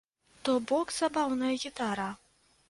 То бок, забаўная гітара.